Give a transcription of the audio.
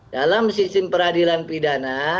dalam sistem peradilan pidana